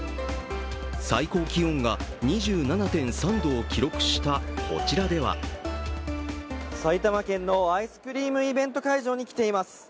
最高気温が２７．３度を記録したこちらでは埼玉県のアイスクリームイベント会場に来ています。